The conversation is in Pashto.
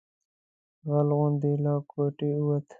غل غوندې له کوټې ووت.